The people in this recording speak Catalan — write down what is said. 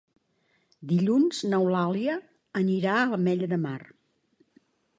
Dilluns n'Eulàlia anirà a l'Ametlla de Mar.